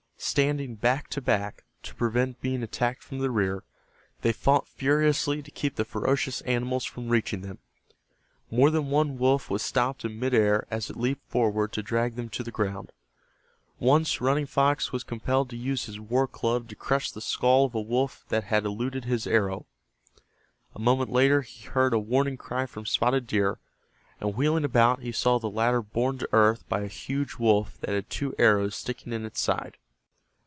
Standing back to back to prevent being attacked from the rear, they fought furiously to keep the ferocious animals from reaching them. More than one wolf was stopped in mid air as it leaped forward to drag them to the ground. Once Running Fox was compelled to use his war club to crush the skull of a wolf that had eluded his arrow. A moment later he heard a warning cry from Spotted Deer, and wheeling about he saw the latter borne to earth by a huge wolf that had two arrows sticking in its side.